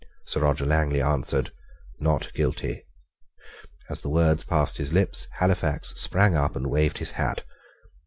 Sir Roger Langley answered, "Not guilty." As the words passed his lips, Halifax sprang up and waved his hat.